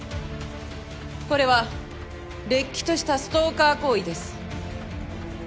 これはれっきとしたストーカー行為です！